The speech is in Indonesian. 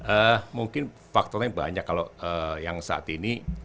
eee mungkin faktornya banyak kalau yang saat ini